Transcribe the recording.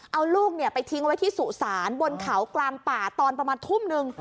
เอาลูกไปทิ้งไว้ที่สุสานบนเขากลางป่าตอนประมาณทุ่มนึง